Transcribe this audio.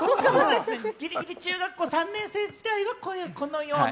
ギリギリ中学校３年生時代はこういう、このような。